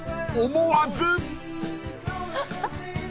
思わず］